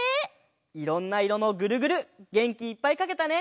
いろんないろのグルグルげんきいっぱいかけたね。